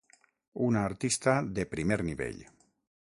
Una artista ‘de primer nivell’